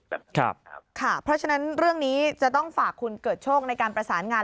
เพราะฉะนั้นเรื่องนี้จะต้องฝากคุณเกิดโชคในการประสานงาน